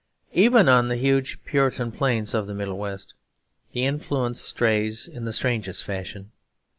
Even on the huge Puritan plains of the Middle West the influence strays in the strangest fashion.